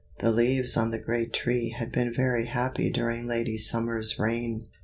The leaves on the great Tree had been very happy during Lady Summer's reign.